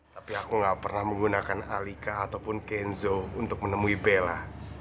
tapi aku nggak pernah menggunakan alika ataupun kenzo untuk menemui bella